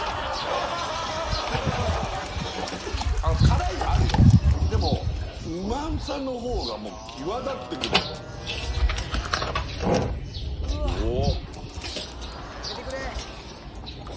辛いはあるよでもうまさのほうがもう際立ってくるおお